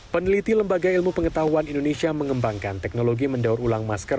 peneliti lembaga ilmu pengetahuan indonesia mengembangkan teknologi mendaur ulang masker